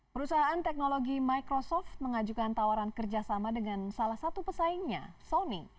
perusahaan teknologi microsoft mengajukan tawaran kerjasama dengan salah satu pesaingnya sony